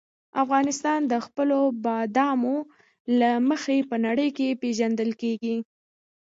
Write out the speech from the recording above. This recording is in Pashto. افغانستان د خپلو بادامو له مخې په نړۍ کې پېژندل کېږي.